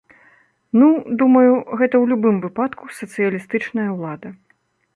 Ну, думаю, гэта ў любым выпадку сацыялістычная ўлада.